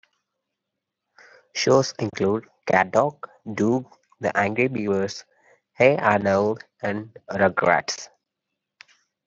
Shows include CatDog, Doug, The Angry Beavers, Hey Arnold!, and Rugrats.